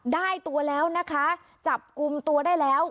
ได้ตัวแล้วนะคะจับกลุ่มตัวได้แล้ว